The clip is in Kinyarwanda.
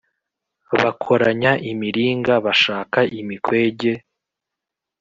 Bakoranya imiringa, bashaka imikwege!